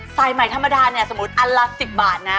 สายใหม่ธรรมดาเนี่ยสมมุติอันละ๑๐บาทนะ